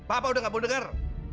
bapak udah nggak mau denger